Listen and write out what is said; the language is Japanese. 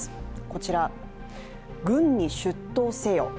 こちら、軍に出頭せよ。